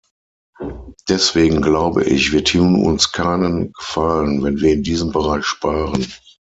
Deswegen glaube ich, wir tun uns keinen Gefallen, wenn wir in diesem Bereich sparen.